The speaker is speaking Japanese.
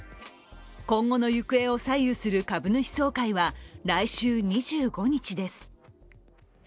今後の行方を左右する株主総会は来週２５日です。